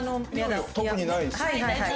特にないです。